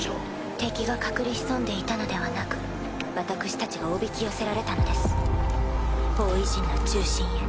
敵が隠れ潜んでいたのではなく私たちがおびき寄せられたのです包囲陣の中心へ。